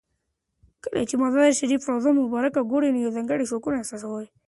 کله چې د مزار شریف روضه مبارکه ګورې نو یو ځانګړی سکون احساسوې.